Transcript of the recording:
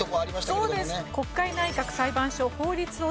そうです。